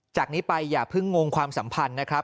จากนี้ไปอย่าเพิ่งงงความสัมพันธ์นะครับ